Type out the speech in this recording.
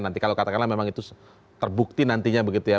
nanti kalau katakanlah memang itu terbukti nantinya begitu ya